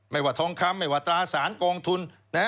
ว่าทองคำไม่ว่าตราสารกองทุน